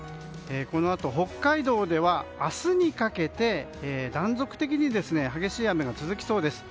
このあと北海道では明日にかけて断続的に激しい雨が続きそうです。